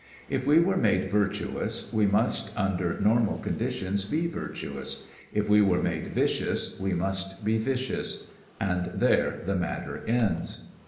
If we were made virtuous we must under normal conditions be virtuous; if we were made vicious we must be vicious; and there the matter ends.